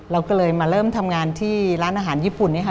เราก็เลยมาเริ่มทำงานที่ร้านอาหารญี่ปุ่นนี่ค่ะ